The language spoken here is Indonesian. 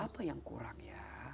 apa yang kurang ya